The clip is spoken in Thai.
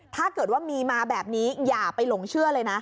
ถ้าเกิดว่ามีมาแบบนี้อย่าไปหลงเชื่อเลยนะ